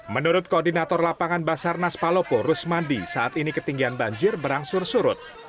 menurut koordinator lapangan basarnas palopo rusmandi saat ini ketinggian banjir berangsur surut